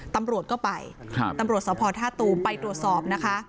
ตำรวจก็ไปตำรวจสภท่าตูมไปตรวจสอบนะคะ